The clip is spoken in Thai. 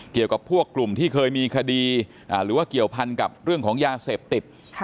เกี่ยวกับพวกกลุ่มที่เคยมีคดีหรือว่าเกี่ยวพันกับเรื่องของยาเสพติด